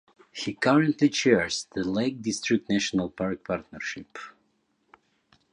He currently chairs the Lake District National Park Partnership.